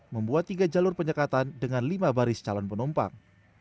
membuat tiga jalur penyekatan dengan lima baris calon penumpang